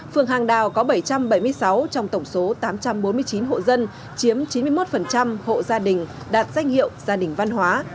phường hàng đào có bảy trăm bảy mươi sáu trong tổng số tám trăm bốn mươi chín hộ dân chiếm chín mươi một hộ gia đình đạt danh hiệu gia đình văn hóa